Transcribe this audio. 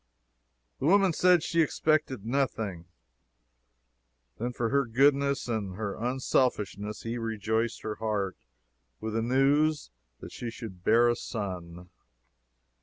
The woman said she expected nothing. Then for her goodness and her unselfishness, he rejoiced her heart with the news that she should bear a son.